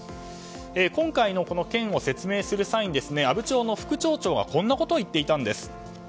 今回のこの件を説明する際に阿武町の副町長はこんなことを言っていたんです。